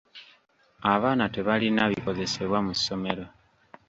Abaana tebalina bikozesebwa mu ssomero.